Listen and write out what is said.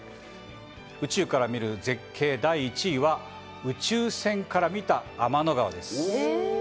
宇宙から見る絶景第１位は、宇宙船から見た天の川です。